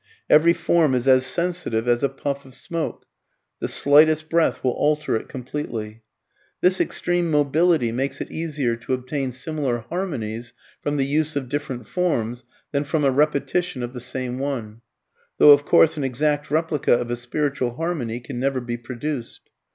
Every form is as sensitive as a puff of smoke, the slightest breath will alter it completely. This extreme mobility makes it easier to obtain similar harmonies from the use of different forms, than from a repetition of the same one; though of course an exact replica of a spiritual harmony can never be produced.